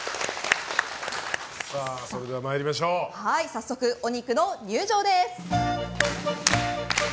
早速お肉の入場です。